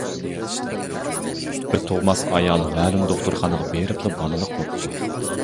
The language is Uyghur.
بىر تۇغماس ئايال مەلۇم دوختۇرخانىغا بېرىپلا بالىلىق بوپتۇ.